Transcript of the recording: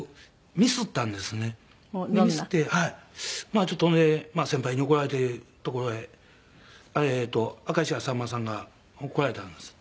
まあちょっとね先輩に怒られてるところへ明石家さんまさんが来られたんです。